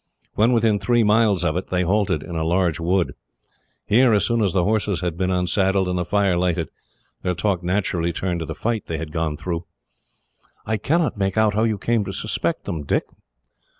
When within three miles of it, they halted in a large wood. Here, as soon as the horses had been unsaddled, and the fire lighted, their talk naturally turned to the fight they had gone through. "I cannot make out how you came to suspect them, Dick."